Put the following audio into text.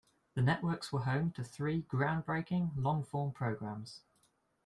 The networks were home to three groundbreaking long-form programs.